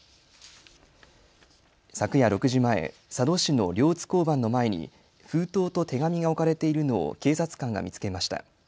昨夜６時前、佐渡市の両津交番の前に封筒と手紙が置かれているのを警察官が見つけました。